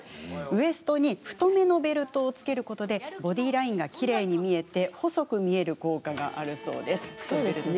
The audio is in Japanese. ウエストに太めのベルトを着けることでボディーラインがきれいに見えて細く見える効果があるそうです。